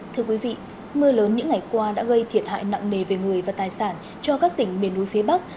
thưa quý vị mưa lớn những ngày qua đã gây thiệt hại nặng nề về người và tài sản cho các tỉnh miền núi phía bắc